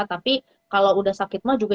tapi kalau sudah sakit emas juga